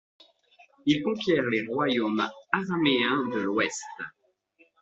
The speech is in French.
Il conquiert les royaumes Araméens de l'Ouest.